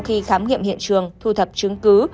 điện trường thu thập chứng cứ